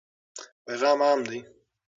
پیغام عام دی.